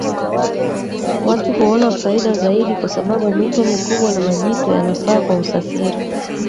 Watu huona faida zaidi kwa sababu mito mikubwa na majito yanafaa kwa usafiri